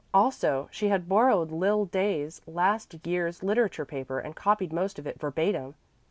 Also, she had borrowed Lil Day's last year's literature paper and copied most of it verbatim.